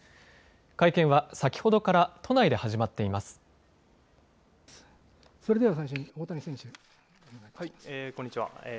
会見は先ほどからそれでは最初に大谷選手こんにちは。